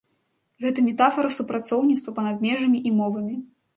Гэта метафара супрацоўніцтва па-над межамі і мовамі.